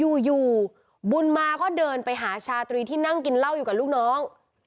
อยู่บุญมาก็เดินไปหาชาตรีที่นั่งกินเหล้าอยู่กับลูกน้อง